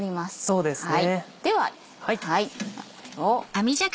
そうですね。